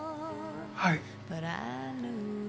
はい。